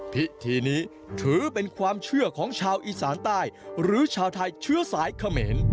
พิธีนี้ถือเป็นความเชื่อของชาวอีสานใต้หรือชาวไทยเชื้อสายเขมร